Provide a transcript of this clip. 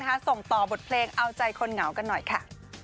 ส่งต่อบทเพลงเอาใจคนเหงากันหน่อยค่ะ